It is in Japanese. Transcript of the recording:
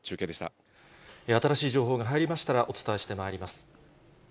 新しい情報が入りましたら、お伝えしてまいります。